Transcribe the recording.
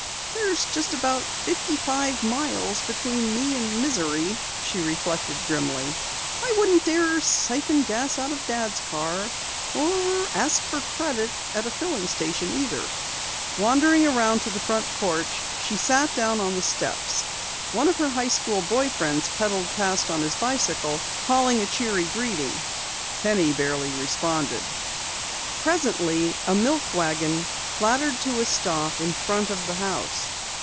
"There's just about fifty five miles between me and misery," she reflected grimly. "I wouldn't dare siphon gas out of Dad's car or ask for credit at a filling station either!" Wandering around to the front porch, she sat down on the steps. One of her high school boy friends pedalled past on his bicycle, calling a cheery greeting. Penny barely responded. Presently a milk wagon clattered to a stop in front of the house.